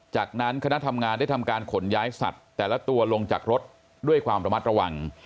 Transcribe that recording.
จากนั้นคณะทำงานได้ทำการขนย้ายสัตว์แต่ละตัวลงจากรถด้วยความระมัดระวัง